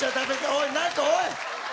おい！